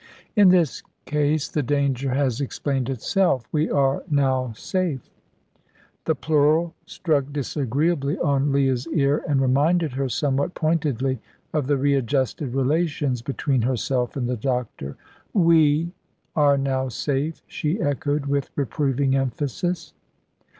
"In this case the danger has explained itself. We are now safe." The plural struck disagreeably on Leah's ear, and reminded her somewhat pointedly of the readjusted relations between herself and the doctor. "We are now safe," she echoed, with reproving emphasis.